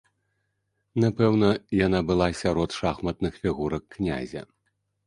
Напэўна яна была сярод шахматных фігурак князя.